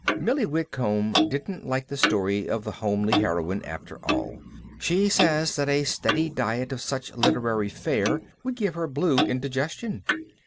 Millie Whitcomb didn't like the story of the homely heroine, after all. She says that a steady diet of such literary fare would give her blue indigestion.